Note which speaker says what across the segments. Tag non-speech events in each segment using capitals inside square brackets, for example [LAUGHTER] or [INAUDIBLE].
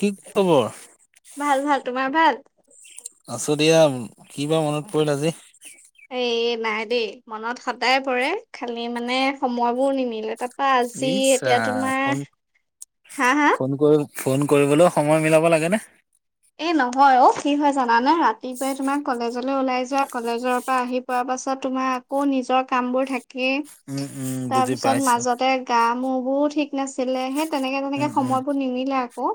Speaker 1: কি খবৰ।
Speaker 2: ভাল ভাল তোমাৰ ভাল
Speaker 1: আছোঁ দিয়া কিবা মনত পৰিল আজি।
Speaker 2: এ নাই দেই মনত সদায় পৰে, খালি মানে সময়বোৰ নিমিলে তাত।
Speaker 1: ইছ ৰাম ফোন,
Speaker 2: হা হা
Speaker 1: ফোন কৰিম ফোন কৰিবলৈও সময় মিলাব লাগেনে।
Speaker 2: এ নহয় অ কি হয় জানানে ৰাতিপুৱাই তোমাৰ কলেজলৈ ওলাই যোৱা কলেজৰ পৰা আহি। পোৱা পাছত তোমাৰ আকৌ নিজৰ কাম বোৰ থাকেই
Speaker 1: উম উম বুজি
Speaker 2: তাৰপিছত
Speaker 1: পাইছো
Speaker 2: মাজতে। গা মূৰবোৰ ঠিক নাছিলে সেই তেনেকে
Speaker 1: উম
Speaker 2: তেনেকে
Speaker 1: উম।
Speaker 2: সময়বোৰ নিমিলে আক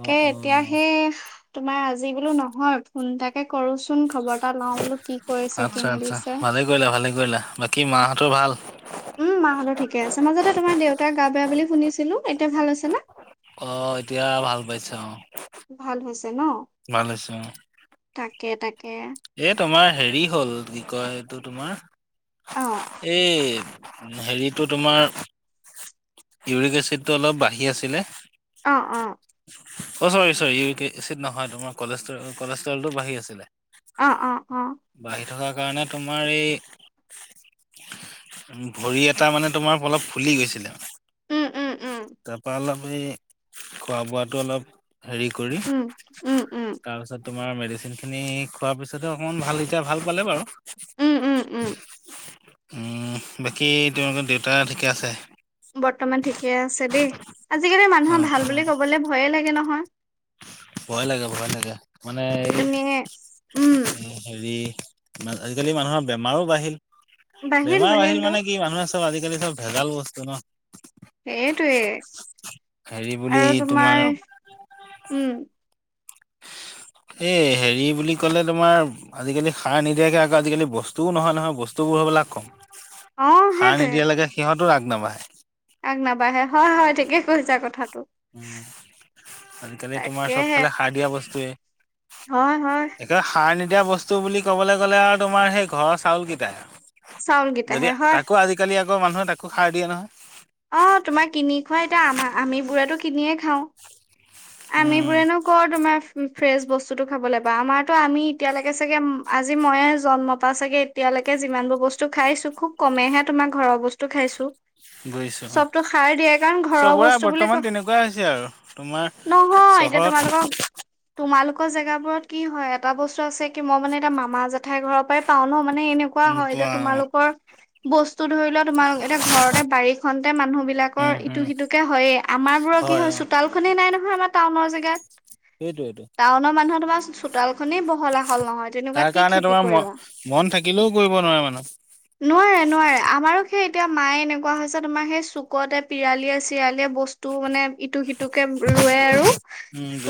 Speaker 1: অ অ
Speaker 2: এতিয়া সেই তোমাৰ আজি বোলো নহয় ফোন এটাকে কৰোচোন। চোন খবৰ এটা লওঁ বোলো কি কৰিছে কি মেলিছে।
Speaker 1: ভালেই কৰিলা ভালেই কৰিলা বাকী মাহঁতৰ ভাল
Speaker 2: উম মাহঁতৰ ঠিকে আছে মাজতে তোমাৰ দেউতাৰ গা বেয়া বুলি শুনিছিলো এতিয়া ভাল হৈছে নে।
Speaker 1: অ এতিয়া ভাল পাইছে অ
Speaker 2: ভাল হৈছে ন
Speaker 1: ভাল হৈছে
Speaker 2: তাকে তাকে।
Speaker 1: এ তোমাৰ হেৰি হ'ল কি কয় এইটো তোমাৰ।
Speaker 2: অ
Speaker 1: এই হেৰিটো তোমাৰ। ইউৰিক এচিডটো অলপ বাঢ়ি আছিলে।
Speaker 2: অ অ
Speaker 1: অ চৰি চৰি ইউৰিক এচিড নহয় তোমাৰ কলেষ্ট্ৰল কলেষ্ট্ৰলটো বাঢ়ি আছিলে।
Speaker 2: অ অ অ
Speaker 1: বাঢ়ি থকাৰ কাৰণে তোমাৰ এই। ভৰি এটা মানে তোমাৰ অলপ ফুলি গৈছিলে
Speaker 2: উম, উম, উম,
Speaker 1: তাৰপা অলপ এই খোৱা বোৱাটো অলপ। হেৰি কৰি
Speaker 2: উম, উম, উম,
Speaker 1: তাৰপিছত ড তোমাৰ মেডিচিন খিনি খোৱাৰ পিছতহে অকমান ভাল এতিয়া ভাল পালে বাৰু। উম বাকী তোমালোকৰ দেউতা ঠিকে আছে
Speaker 2: বৰ্তমান ঠিকে আছে দেই আজিকালি
Speaker 1: অ
Speaker 2: মানুহৰ
Speaker 1: অ
Speaker 2: ভাল বুলি কবলে ভয়ে লাগে নহয়
Speaker 1: ভয় লাগে ভয় লাগে মানে এই।
Speaker 2: তুমি উম'
Speaker 1: হেৰি মা আজিকালি মানুহৰ বেমাৰো বাঢ়িল বেমাৰ বাঢ়িল মানে কি মানুহে চব আজিকালি চব ভেজাল বস্তু ন
Speaker 2: এইটোৱে
Speaker 1: হেৰি বুলি
Speaker 2: আৰু তোমাৰ উম
Speaker 1: এ হেৰি বুলি ক'লে তোমাৰ আজিকালি সাৰ নিদিয়াকে আকৌ আজিকালি বস্তুও নহয় নহয় বস্তুবোৰ হবলা কম
Speaker 2: অ',
Speaker 1: সাৰ
Speaker 2: সেইটোৱে
Speaker 1: নিদিয়ালেকে সিহঁতো আগ নাবাহে।
Speaker 2: আগ নাবাহে হয় হয় ঠিকে কৈছা কথাটো।
Speaker 1: উম কাৰণ কেলে তোমাৰ
Speaker 2: তাকেহে
Speaker 1: চবফালে সাৰ দিয়া বস্তুয়ে।
Speaker 2: হয় হয়
Speaker 1: সাৰ নিদিয়া বস্তু বুলি ক'বলে গ'লে আৰু তোমাৰ সেই ঘৰৰ চাউলকেইটাই আৰু যদি
Speaker 2: চাউলকেইটাহে হয়।
Speaker 1: তাকো আজিকালি আকৌ মানুহে তাকো সাৰ দিয়ে নহয়।
Speaker 2: অ' তোমাৰ কিনি খোৱা এতিয়া আমা-আমি বোৰেটো কিনিয়ে খাও আমি
Speaker 1: উম,
Speaker 2: বোৰেনো কৰ তোমাৰ ফ্ৰেছ বস্তুটো খাবলৈ পাওঁ আমাৰতো আমি এতিয়ালৈকে চাগে আজি মইয়ে জন্ম পা চাগে এতিয়ালেকে যিমান বোৰ বস্তু খাইছো খুব কমেহে তোমাৰ ঘৰৰ বস্তু খাইছো।
Speaker 1: বুজিছো অ'।
Speaker 2: চবতো সাৰ দিয়াই কাৰণ ঘৰৰ বস্তু বুলি ক
Speaker 1: কিবা হৈছে আৰু তোমাৰ
Speaker 2: নহয় এতিয়া তোমালোকৰ
Speaker 1: চহৰত
Speaker 2: তোমালোকৰ জেগাবোৰত কি হয় এটা বস্তু আছে কি মই মানে এতিয়া মামা জ জেঠাই ঘৰৰ পৰাই পাও ন মানে এনেকুৱা
Speaker 1: উম,
Speaker 2: হয়
Speaker 1: পোৱা
Speaker 2: এতিয়া তোমালোকৰ বস্তু ধৰি লোৱা তোমাৰ এতিয়া ঘৰতে বাৰী খনতে মানুহ
Speaker 1: উম,
Speaker 2: বিলাকৰ
Speaker 1: উম,
Speaker 2: ইটো-সিটো হৈয়ে আমাৰ বোৰৰ কি হয় চোতাল খনেই নাই নহয় আমাৰ টাউনৰ জেগাত।
Speaker 1: সেইটোৱেটো
Speaker 2: টাউনৰ মানুহৰ তোমাৰ ছোঁ চোতাল খনেই বহল আহল নহয়,
Speaker 1: তাৰ
Speaker 2: তেনেকুৱাত কি
Speaker 1: কাৰণে
Speaker 2: খেতি
Speaker 1: তোমাৰ ম
Speaker 2: কৰিবা।
Speaker 1: মন থাকিলেও কৰিব নোৱাৰে মানুহ।
Speaker 2: নোৱাৰে-নোৱাৰে, আমাৰো সেই এতিয়া মায়ে এনেকুৱা হৈছে তোমাৰ সেই চুকতে পিৰালীয়ে-চিৰালীয়ে বস্তু টো মানে ইটো সিটোকে ৰুৱে আৰু
Speaker 1: [UNINTELLIGIBLE]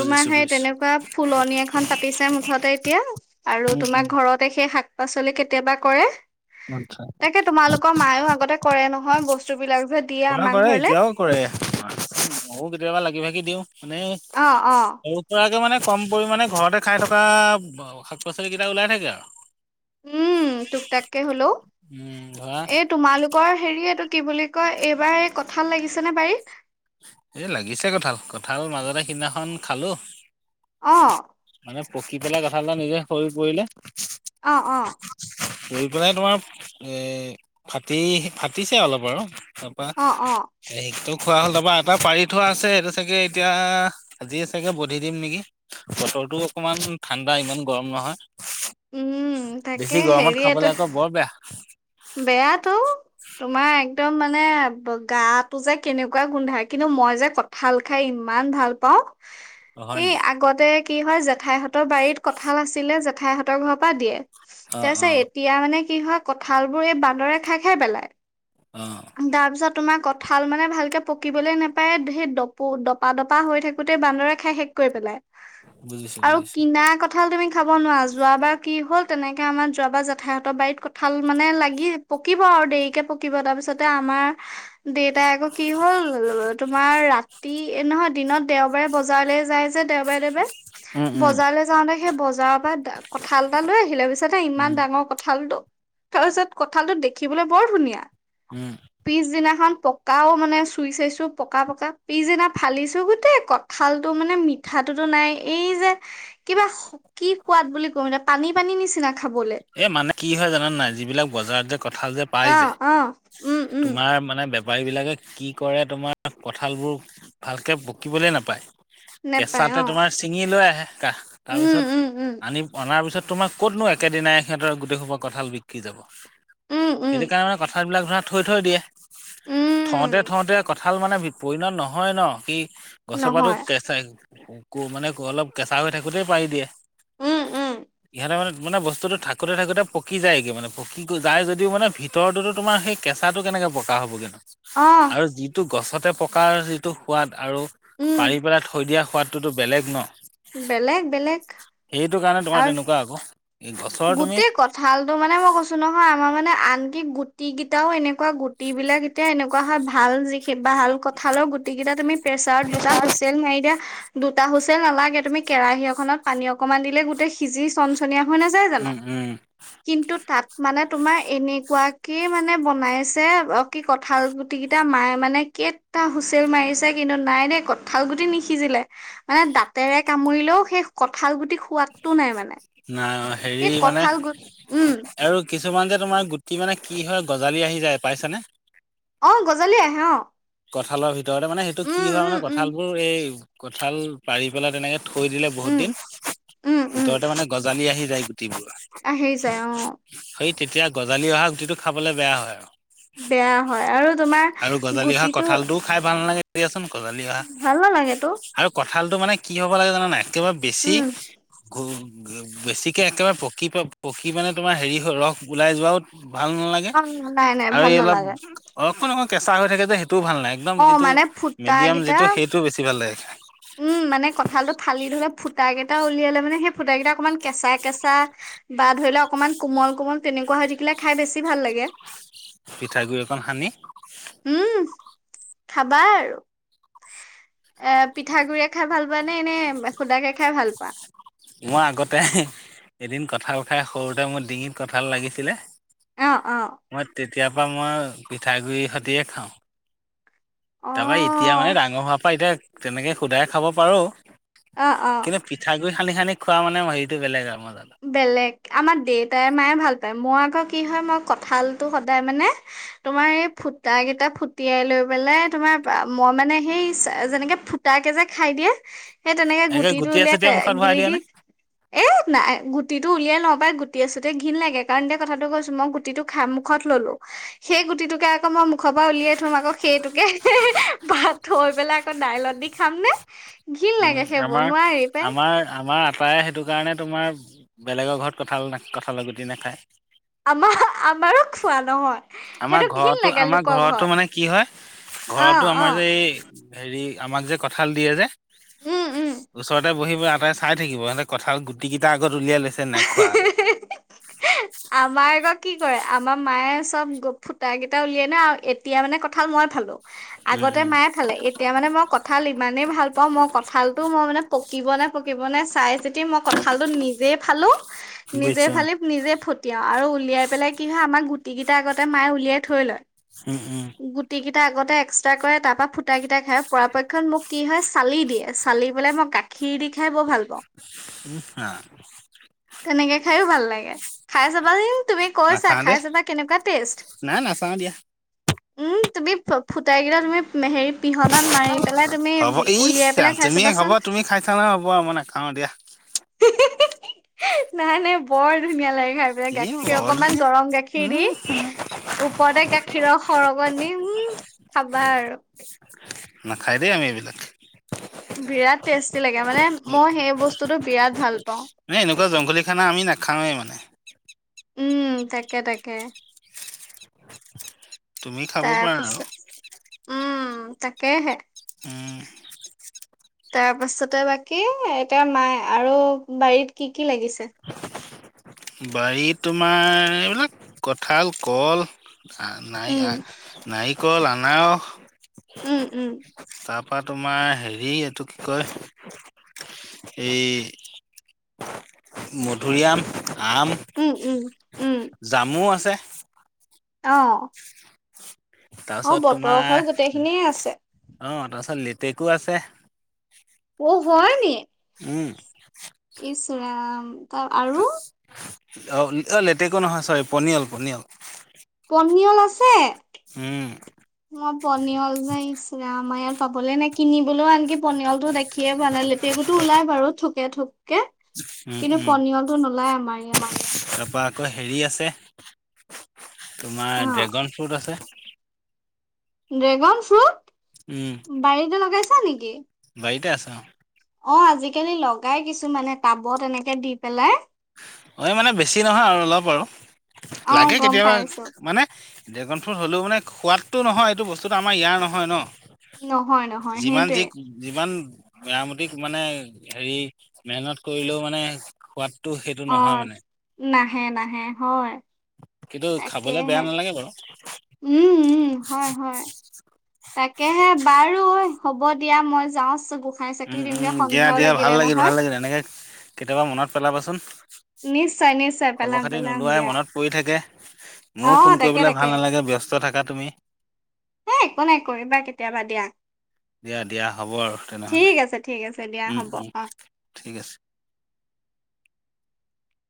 Speaker 2: তোমাৰ সেই
Speaker 1: বুজিছো
Speaker 2: তেনেকুৱা ফুলনি এখন পাতিছে মুঠতে এতিয়া, আৰু
Speaker 1: উম,
Speaker 2: তোমাক
Speaker 1: উম,
Speaker 2: ঘৰত সেই শাক পাচলি কেতিয়াবা কৰে,
Speaker 1: আচ্ছা
Speaker 2: তাকে তোমালোকক মায়েও আগতে কৰে নহয় বস্তু বিলাক যে দিয়ে আমাৰ
Speaker 1: কৰে-কৰে
Speaker 2: ঘৰলে
Speaker 1: এতিয়াও কৰে, মইয়ো কেতিয়াবা লাগি ভাগি দিওঁ, মানে
Speaker 2: অ' অ'
Speaker 1: মোৰ পৰা মানে কম পৰিমানে ঘৰতে খাই থকা শাক পাচলি কেইটা ওলাই থাকে আও।
Speaker 2: উম', টুক টাককে হলেও,
Speaker 1: উম ধৰা
Speaker 2: এই তোমালোক কৰ হেৰি এইটো কি বুলি কয়, এইবাৰ এই কঁঠাল লাগিছে নে বাৰিত?
Speaker 1: এ লাগিছে কঠাল, কঁঠাল মাজতে সেইদিনাখন খালো।
Speaker 2: অহ
Speaker 1: মানে পকি পেলাই কঠাল এটা নিজে সৰি পৰিলে।
Speaker 2: অ অ
Speaker 1: পৰি পেলাই তোমাৰ এ ফাটি-ফাটিছে অলপ বাৰু তাৰপা
Speaker 2: অ অ
Speaker 1: হে টো খোৱা হলে বা পাৰি থোৱা আছে এইটো চাগে এতিয়া, আজিয়ে চাগে বধি দিম নেকি। বতৰটো অকমান ঠাণ্ডা, ইমান গৰম নহয়।
Speaker 2: উম তাকে
Speaker 1: বেছি গৰমত খাবলে আকৌ বৰ বেয়া।
Speaker 2: বেয়া তো। তোমাৰ একদম মানে গাটো যে কেনেকুৱা গোন্ধাই, কিন্তু মই যে কত ঠাল খাই ইমান ভাল পাওঁ।
Speaker 1: হয়
Speaker 2: এই
Speaker 1: নেকি
Speaker 2: আগতে কি হয়, জেঠাইহঁতৰ বাৰীত কঁঠাল আছিলে, জেঠাইহঁতৰ ঘৰৰ পৰা দিয়ে।
Speaker 1: অ অ
Speaker 2: তাৰপিছত এতিয়া মানে কি হয় কঁঠাল বোৰ এই বান্দৰে খাই খাই পেলাই।
Speaker 1: অহ
Speaker 2: তাৰ পিছত তোমাৰ কঠাল মানে ভালকে পকিবলে নাপায় সেই ডপো ডপা দপা হৈ থাক গোটেই বান্দৰে খাই শেষ কৰি পেলাই,
Speaker 1: বুজিছো
Speaker 2: আৰু
Speaker 1: বুজিছো
Speaker 2: কিনা ক কঁঠাল তুমি খাব নোৱাৰা, যোৱাবাৰ কি হ'ল তেনেকে আমাৰ যোৱাবাৰ যেঠায়তৰ বাৰত কঁঠাল মানে লাগিল পকিব আৰু দেৰিকে পকিব তাৰ পিছত তে আমাৰ দেউতাই আকৌ কি হ'ল তোমাৰ ৰাতি নহয় দিনত দেওবাৰে বজাৰলৈ যাই যে দেওবাৰে
Speaker 1: উম
Speaker 2: দেওবাৰে
Speaker 1: উম
Speaker 2: বজাৰলৈ যাওঁতে সেই বজাৰৰ পৰা কঁঠাল এটা লৈ আহিলে পিছত
Speaker 1: উম
Speaker 2: ইমান ডাঙৰ কঁঠালটো তাৰপিছত কঁঠালটোত দেখিবলৈ বৰ ধুনীয়া।
Speaker 1: উম।
Speaker 2: পিছদিনাখন পকাও মানে চুই চাইছো পকা পকা, পিছদিনা ফালিছো গোটেই কত খালতটো মানে মিঠাটোতো নাই এই যে কিবা কি সোৱাদ বুলি কওঁ এতিয়া, পানী পানী নিচিনা খাবলে।
Speaker 1: এ' মানে কি হয় জানান নাই, যিবিলাক বজাৰত যে কঠাল যে পাই
Speaker 2: অ
Speaker 1: যে,
Speaker 2: অ উম উম
Speaker 1: তোমাৰ মানে বে বপাৰীবিলাকে কি কৰে তোমাৰ কঁঠালবোৰ ভালকে পকিবলৈ নাপায়।
Speaker 2: নেপায়
Speaker 1: কেঁচাতে
Speaker 2: অ
Speaker 1: তোমাৰ ছিঙি লৈ আহে কাহ
Speaker 2: উম
Speaker 1: তাৰপিছত
Speaker 2: উম উম
Speaker 1: আনি অনাৰ পিছত তোমাৰ ক'তনো একেদিনাই সিহঁতৰ গোটেইখোপা কঁঠাল বিক্ৰী যাব।
Speaker 2: উম
Speaker 1: সেইটো
Speaker 2: উম
Speaker 1: কাৰণে মানে কথাবিলাক ধৰা থৈ থৈ দিয়ে থওঁতে
Speaker 2: উম
Speaker 1: থওঁতে কথা, কঁঠাল মানে পৰিণত নহয় ন কি গছৰ পা টো
Speaker 2: নহয়
Speaker 1: কেচা, কো মানে অলপ কেঁচা হৈ থাকোতেই পাৰি দিয়ে
Speaker 2: উম উম
Speaker 1: ইহঁতে মানে, মানে বস্তুটো থাকোঁতে থাকোতে পকি যায়গৈ মানে পকি যায় যদিও মানে ভিতৰতোতো তোমাৰ সেই, কেঁচাটো কেনেকে পকা হ'বগৈ নো।
Speaker 2: অ
Speaker 1: আৰু যিটো গছতে পকাৰ যিটো সোৱাদ আৰু
Speaker 2: উম
Speaker 1: পাৰি পেলাই থৈ দিয়া সোৱাদ, তো বেলেগ ন'
Speaker 2: বেলেগ বেলেগ
Speaker 1: সেইটো কাৰণে তোমাৰ
Speaker 2: আৰু
Speaker 1: তেনেকুৱা আক।
Speaker 2: গোটেই কথা, ঠালতো মানে মই কৈছো নহয় আমাৰ মানে আনকি গুটি কেইটাও এনেকুৱা গুটি বিলাক, এতিয়া এনেকুৱা হয় ভাল যিখিনি ভাল কঁঠালৰ গুটি কেইটা তুমি প্ৰেছাৰত দুটা হুইচেল মাৰি দিয়া। দুটা হুছেল নালাগে তুমি কেৰাহী এখনত পানী অকমান দিলে গোটেই সিজি চনচনীয়া হয় ন, জাই জানো।
Speaker 1: উম উম
Speaker 2: কিন্তু তাত মানে তোমাৰ এনেকুৱাকে মানে বনাইছে। কি কঁঠাল গুটিকেইটা মায়ে মানে কেইটা হুইচেল মাৰিছে কিন্তু নাই দেই কঁঠাল গুটি নিসিজিলে। মানে দাঁতেৰে কামুৰিলেও সেই কঠাল গুটি সোৱাদটো নাই মানে।
Speaker 1: নাই অ', হেৰি
Speaker 2: এই
Speaker 1: মানে,
Speaker 2: কঁঠাল গুট উম
Speaker 1: আৰু কিছুমান যে তোমাৰ গুটি মানে কি হয় গজালি আহি যায় পাইছানে?
Speaker 2: অঁ', গজলি আহে অ'
Speaker 1: কঁঠালৰ ভিতৰতে মানে সেইটো কি
Speaker 2: উম
Speaker 1: হয়
Speaker 2: উম
Speaker 1: মানে
Speaker 2: উম
Speaker 1: কঠাল বোৰ এই কঁঠাল পাৰি পেলাই তেনেকে, থৈ দিলে বহুত
Speaker 2: উম
Speaker 1: দিন
Speaker 2: উম উম
Speaker 1: ভিতৰতে মানে গজালি আহি যায় গুটিবোৰ।
Speaker 2: আহি যাই অ'
Speaker 1: সেই তেতিয়া গজালি অহা গুটিটো খাবলে বেয়া হয় আৰু।
Speaker 2: বেয়া হয় আৰু তোমাৰ,
Speaker 1: আৰু গজালি অহা
Speaker 2: গুটিটো
Speaker 1: কঁঠালটোও খাই ভাল নালাগে দিয়াচোন গজালি অহা
Speaker 2: ভাল নালাগেতো
Speaker 1: আৰু, কঁঠালটো মানে কি হ'ব লাগে জানা নাই একেবাৰে বেছি,
Speaker 2: উম
Speaker 1: বেছিকে একেবাৰে পকি পকি মানে তোমাৰ হেৰি ৰস ওলাই যোৱাও ভাল নালাগে।
Speaker 2: অ নাই নাই
Speaker 1: আৰু
Speaker 2: ভাল
Speaker 1: এই অলপ
Speaker 2: নালাগে
Speaker 1: অকমান অকণ কেঁচা হৈ থাকে যে সেইটোও ভাল নাই। একদম
Speaker 2: অ
Speaker 1: যিটো
Speaker 2: মানে ফুটা
Speaker 1: মেডিয়াম
Speaker 2: কেইটা
Speaker 1: যিটো সেইটো বেছি ভাল লাগে খাই।
Speaker 2: উম, মানে কঁঠালটো ফালি ধলে ফুট কেইটা উলিয়ালে মানে সেই ফুটাকেইটা অকণমান কেঁচা কেঁচা, বা ধৰি লও অকনমান কোমল কোমল তেনেকুৱা হৈ থাকিলে খাই বেছি ভাল লাগে।
Speaker 1: পিঠাগ গুৰি একন সানি।
Speaker 2: উম, খাবা আৰু এ পিঠাগুডৰি এ খাই ভাল পোৱা নে নে হুদাকে খাই ভাল পোৱা,
Speaker 1: মই আগতে এদিন কঠাল খাই সৰুতে মোৰ ডিঙিত কঠাল লাগিছিলে,
Speaker 2: অ অ
Speaker 1: মই তেতিয়াৰ পৰাা মই পিঠাগুৰি সতিয়ে খাওঁ। তাৰ পৰা এতিয়া মানে ডাঙৰ হোৱাৰ পৰা এতিয়া তেনেকে সোধাই খাব পাৰো,
Speaker 2: অ অ
Speaker 1: কিন্তু পিঠাগুড়ি সানি সানি খোৱান মানে হেৰিটো বেলেগ আৰু মজা লাগে।
Speaker 2: বেলেগ আমাৰ দেউতাই মায়ে ভাল পায় মোৰ আকৌ কি হয় মই কঁঠালতটো সদায় মানে, তোমাৰ এই ফুটা কেইটা ফুটিয়াই লৈ পেলাই তোমাৰ মই মানে সেই যেনেকে ফুট, তাকে যে খাই দিয়ে সেই তেনেকে
Speaker 1: এনেকে
Speaker 2: গুটিটো
Speaker 1: গুটিয়ে চুটিয়ে মুখত
Speaker 2: উলিয়াই
Speaker 1: ভৰাই
Speaker 2: গিলি
Speaker 1: দিয়ে
Speaker 2: দি
Speaker 1: নে?
Speaker 2: এ নাই, গুটিটো উলিয়াই ল পাই গুটি আছোঁতে ঘিনণ লাগে কাৰণ দে কথাটো কৈছো মই গুটিটো খ মুখত ললো, সেই গুটিটোকে আকৌ মই মুখৰ পৰা উলিয়াই থম আকৌ সেইটোকে ভাত, থৈ পেলাই আকৌ দাইলত দি খাম নে, ঘিণ
Speaker 1: উম,
Speaker 2: লাগে সেইবোৰ
Speaker 1: আমাৰ
Speaker 2: নোৱাৰি পাই
Speaker 1: - আমাৰ - আমাৰ, আটায় সেইটো কাৰণে তোমাৰ বেলেগৰ ঘৰত কঁঠাল কঁঠালৰ গুটি নাখায়।
Speaker 2: আমাৰ, আমাৰো খোৱা নহয়।
Speaker 1: আমাৰ
Speaker 2: সেইটো ঘিণ
Speaker 1: ঘৰতো,
Speaker 2: লাগে
Speaker 1: আমাৰ
Speaker 2: লোকৰ
Speaker 1: ঘৰতো
Speaker 2: ঘৰত
Speaker 1: মানে কি হয়,
Speaker 2: অ
Speaker 1: ঘৰতো
Speaker 2: অ
Speaker 1: আমাৰ যে এই হেৰি আমাক যে কঁঠাল দিয়ে যে
Speaker 2: উম উম
Speaker 1: ওচৰতে বহিব আটাই চাই থাকিব সিহঁতে কথাল গুটি কেইটা আগত উলিয়াই লৈছে নাই খোৱা
Speaker 2: আমাৰ আগৌ কি কৰে আমাৰ মায়ে চব ফুটা কেইটা উলিয়াই নে আৰু এতিয়া মানে কঁঠাল মই ফালো।
Speaker 1: উম,
Speaker 2: আগতে
Speaker 1: উম,
Speaker 2: মায়ে ফালে তেতিয়া মানে মই কঁঠাল ইমানেই ভাল পাওঁ, মই কঁঠালটো মই মানে পকিবনে পকিবনে চাই চিতি মই কঁঠালটো নিজে ফালো নিজে
Speaker 1: বুজিছো
Speaker 2: ফালি নিজে ফুট তিয়া আৰু উলিয়াই পেলাই কি হয় আমাৰ গুটি কিটা আগতে মায়ে উলিয়াই থৈ লয়।
Speaker 1: উম, উম,
Speaker 2: গুটিকেইটা আগতে এক্সট্ৰা কৰে তাৰপৰা ফুটাকেইটা খায় পৰাপক্ষত মোক কি হয় চালি দিয়ে চালি পেলাই মই খিৰ দি খাই বৰ ভাল পাওঁ।
Speaker 1: নিছা
Speaker 2: তেনেকে খাইও ভাল লাগে খাই চাবা উ, তুমি কৈছা
Speaker 1: নাখাওঁ
Speaker 2: খাই
Speaker 1: দেই
Speaker 2: চাবা কেনেকুৱা টেষ্ট।
Speaker 1: নাই নাচাওঁ দিয়া।
Speaker 2: উম, তুমি ফুতাই গিৰা তুমি মেহেৰি পিহনাত মাৰি পেলাই তুমি
Speaker 1: হ'ব ইচ
Speaker 2: উলিয়াই
Speaker 1: ৰাম
Speaker 2: পেলাই খাই চাবাচোন।
Speaker 1: অ', দিয়া
Speaker 2: নাই, নাই, বৰ ধুনীয়া লাগে। খাই পেলাই
Speaker 1: এই
Speaker 2: গাখীৰ
Speaker 1: বৰ
Speaker 2: অকমান
Speaker 1: ধুনীয়া
Speaker 2: গৰম গাখীৰ দি
Speaker 1: উম
Speaker 2: ওপৰতে গাখীৰৰ সৰক নিম খাবা আৰু।
Speaker 1: নাখায় দে আমি এইবিলাকে।
Speaker 2: বিৰাট টেষ্টি লাগে মানে মই সেই বস্তুটো বিৰাট ভাল পাওঁ।
Speaker 1: মানে এনেকুৱা জংঘলী খানা আমি নাখাওঁৱে মানে
Speaker 2: উম, তাকে তাকে।
Speaker 1: তুমি খাব পাৰা আৰু
Speaker 2: তাৰপিছত উম, তাকেহে
Speaker 1: উম,
Speaker 2: তাৰ পাছতে বাকী এতিয়া মায়ে আৰু বাৰীত কি কি লাগিছে?
Speaker 1: বাৰীত তোমাৰ এইবিলাক কঁঠাল ক'ল নাই
Speaker 2: উম
Speaker 1: আ, নাৰিকল, আনাৰস
Speaker 2: উম, উম
Speaker 1: তাৰ পৰা তোমাৰ হেৰি এইটো কি কয় এই মধুৰিআম, আম
Speaker 2: উম, উম, উম
Speaker 1: জামু আছে
Speaker 2: অ', অ
Speaker 1: তাৰপিছত
Speaker 2: বতৰৰ
Speaker 1: তোমাৰ
Speaker 2: ফল গোটেইখিনিয়ে আছে
Speaker 1: অ', তাৰপিছত লিটেকু আছে।
Speaker 2: অ' হয় নি?
Speaker 1: উম,
Speaker 2: ইচ ৰাম
Speaker 1: অ', অ', লেটেকু নহয় চৰি পনিয়ল পনিয়ল
Speaker 2: পনিয়ল আছে
Speaker 1: উম,
Speaker 2: মই পনিয়ল যে ইচ্ ৰাম আমাৰ ইয়াত পাবলে নাই কিনি- লেও আনকি পনিয়লটো দেখিয়ে পোৱা নাই লেটেকু ওলাই বাৰু থোকে থুক- কি,
Speaker 1: উম
Speaker 2: কিন্তু
Speaker 1: উম
Speaker 2: পনিয়লটো নোলায় আমাৰ ইয়াত।
Speaker 1: তাৰপা আকৌ হেৰি আছে
Speaker 2: অ
Speaker 1: তোমাৰ ড্ৰেগন ফ্ৰুট আছে।
Speaker 2: Dragon fruit!
Speaker 1: উম'
Speaker 2: বাৰীতে লগাইছা নেকি?
Speaker 1: বাৰীতে আছে অঁ'
Speaker 2: অঁ' আজিকালি লগাই কিছুমানে টাবত এনেকে দি পেলাই।
Speaker 1: হয় মানে বেছি নহয় আৰু অলপ আৰু
Speaker 2: অ
Speaker 1: লাগে
Speaker 2: গম
Speaker 1: কেতিয়াবা
Speaker 2: পাইছো
Speaker 1: মানে- ড্ৰেগন ফ্ৰুট হ'লেও মানে সোৱাদটো নহয়, এইটো বস্তুটো আমাৰ ইয়াৰ নহয় ন'।
Speaker 2: নহয় নহয়
Speaker 1: যিমান
Speaker 2: সেইটোৱে
Speaker 1: যি যিমান- মেৰামতিক মানে হেৰি মেহনত কৰিলেও মানে সোৱাদটো সেই-
Speaker 2: অঁ' নাহে নাহে হয়।
Speaker 1: কিন্তু খাবলে বেয়া
Speaker 2: তাকেহে
Speaker 1: নালাগে বাৰু।
Speaker 2: উম উম' হয় হয়। তাকেহে বাৰু হ'ব দিয়া মই যাওঁ ছোগো।
Speaker 1: উম উম' দিয়া দিয়া ভাল লাগিল ভাল লাগিল। এনেকে কেতিয়াবা মনত পেলাবাচোন।
Speaker 2: নিশ্চয় নিশ্চয়
Speaker 1: খবৰ
Speaker 2: পেলাম
Speaker 1: খাতি
Speaker 2: পেলাম
Speaker 1: নোলোৱাই
Speaker 2: দিয়া
Speaker 1: মনত পৰি থাকে।
Speaker 2: অ
Speaker 1: মোৰো ফোন
Speaker 2: তাকে
Speaker 1: কৰিবলে
Speaker 2: তাকে
Speaker 1: ভাল নালাগে ব্যস্ত থাকা তুমি।
Speaker 2: এ একো নাই কৰিবা কেতিয়াবা দিয়া।
Speaker 1: দিয়া দিয়া হ'ব আৰু
Speaker 2: ঠিক
Speaker 1: তেনেহ'লে।
Speaker 2: আছে ঠিক আছে দিয়া
Speaker 1: উম
Speaker 2: হ'ব।
Speaker 1: উম
Speaker 2: অঁ'
Speaker 1: ঠিক আছে